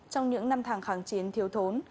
trong những năm tháng kháng chiến thiếu thốn